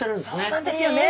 そうなんですよね！